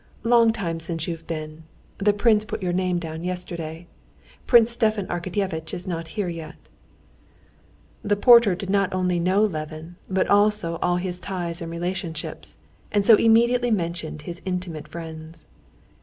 "Long time since you've been. The prince put your name down yesterday. Prince Stepan Arkadyevitch is not here yet." The porter did not only know Levin, but also all his ties and relationships, and so immediately mentioned his intimate friends.